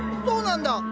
そうなんだ。